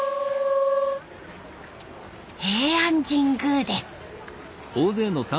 平安神宮です。